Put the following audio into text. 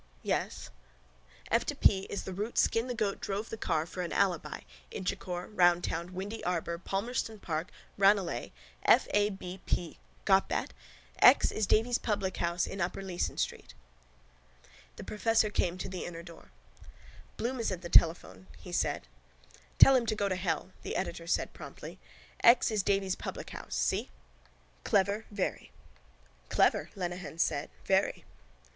Yes. —F to P is the route Skin the Goat drove the car for an alibi, Inchicore, Roundtown, Windy Arbour, Palmerston Park, Ranelagh. F.A.B.P. Got that? X is Davy's publichouse in upper Leeson street. The professor came to the inner door. —Bloom is at the telephone, he said. —Tell him go to hell, the editor said promptly. X is Davy's publichouse, see? CLEVER, VERY —Clever, Lenehan said. Very.